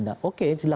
nah oke silakan aja